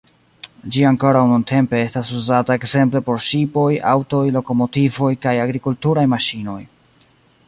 Ĝi ankoraŭ nuntempe estas uzata ekzemple por ŝipoj, aŭtoj, lokomotivoj kaj agrikulturaj maŝinoj.